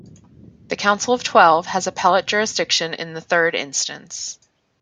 The Council of Twelve has appellate jurisdiction in the third instance.